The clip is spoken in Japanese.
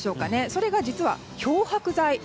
それが、実は漂白剤。